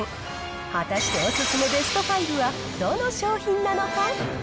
果たしてお勧めベスト５はどの商品なのか。